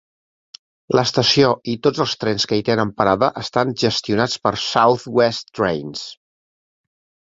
L'estació i tots els trens que hi tenen parada estan gestionats per South West Trains.